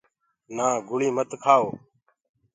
نآ گُݪيٚ مت کهآوو۔